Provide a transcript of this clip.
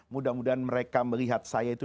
mudah mudahan mereka melihat saya itu